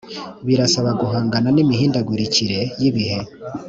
birasaba guhangana n imihindagurikire y ibihe